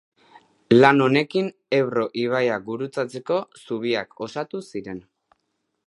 Lan honekin Ebro ibaia gurutzatzeko zubiak osatu ziren.